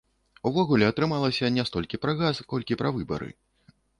Увогуле атрымалася не столькі пра газ, колькі пра выбары.